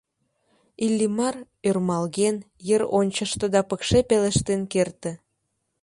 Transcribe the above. Иллимар, ӧрмалген, йыр ончышто да пыкше пелештен керте: